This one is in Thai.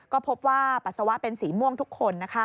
ก็พบว่าปัสสาวะเป็นสีม่วงทุกคน